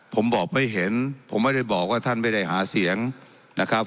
ผมบอกไม่เห็นผมไม่ได้บอกว่าท่านไม่ได้หาเสียงนะครับ